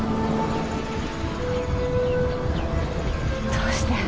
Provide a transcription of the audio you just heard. どうして